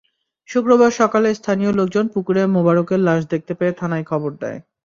শুক্রবার সকালে স্থানীয় লোকজন পুকুরে মোবারকের লাশ দেখতে পেয়ে থানায় খবর দেয়।